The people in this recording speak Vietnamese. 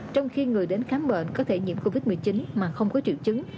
trong khi người đến khám bệnh có thể nhiễm covid một mươi chín mà không có triệu chứng